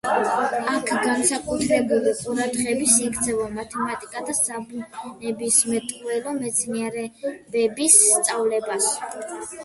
აქ განსაკუთრებული ყურადღების ექცევა მათემატიკა და საბუნებისმეტყველო მეცნიერებების სწავლებას.